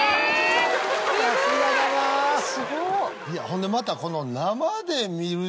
ほんでまたこの。